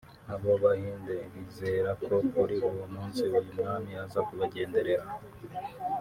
Abo bahindI bizera ko kuri uwo munsi uyu mwami aza kubagenderera